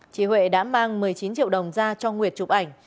chị huệ đã mang một mươi chín triệu đồng ra cho nguyệt chụp ảnh